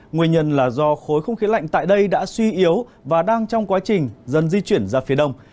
nguyên nhân là do khối không khí lạnh tại đây đã suy yếu và đang trong quá trình dần di chuyển ra phía đông